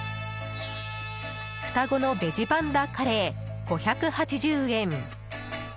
双子のベジぱんだカレー５８０円。